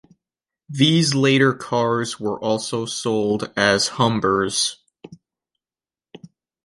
These later cars were also sold as Humbers.